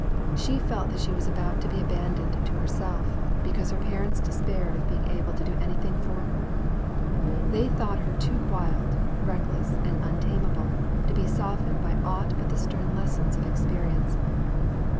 She felt that she was about to be abandoned to herself, because her parents despaired of being able to do anything for her; they thought her too wild, reckless, and untameable, to be softened by aught but the stern lessons of experience.